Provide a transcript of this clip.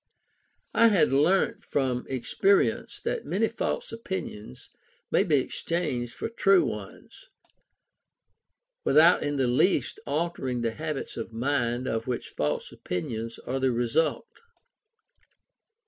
I had learnt from experience that many false opinions may be exchanged for true ones, without in the least altering the habits of mind of which false opinions are the result.